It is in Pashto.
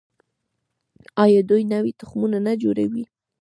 آیا دوی نوي تخمونه نه جوړوي؟